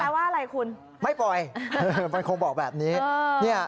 ว่าอะไรคุณไม่ปล่อยมันคงบอกแบบนี้